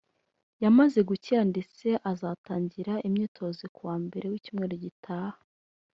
yamaze gukira ndetse azatangira imyitozo ku wa mbere w’icyumweru gitaha